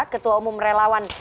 ketua umum relawan